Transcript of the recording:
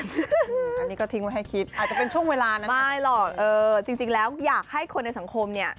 อันนี้ก็ทิ้งไว้ให้คิดหลาย๖๔๐๐อยากให้คนในสังคมเนี่ย